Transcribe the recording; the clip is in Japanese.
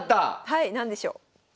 はい何でしょう？